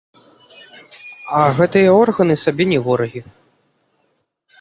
А гэтая органы сабе не ворагі.